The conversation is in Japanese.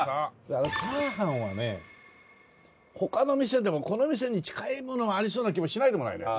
チャーハンはね他の店でもこの店に近いものがありそうな気もしないでもないのよ。